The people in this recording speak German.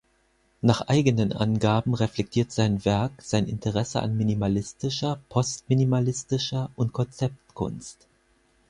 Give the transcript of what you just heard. Nach eigenen Angaben reflektiert sein Werk sein Interesse an minimalistischer, post-minimalistischer und Konzeptkunst.